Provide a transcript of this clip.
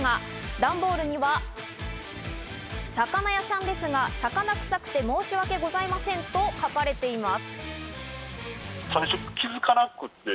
段ボールには魚屋さんですが、魚臭くて申しわけございませんと書かれています。